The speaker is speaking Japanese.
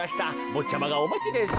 ぼっちゃまがおまちです。